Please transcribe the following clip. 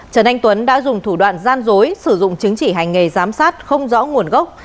trần anh tuấn đã dùng thủ đoạn gian dối sử dụng chứng chỉ hành nghề giám sát không rõ nguồn gốc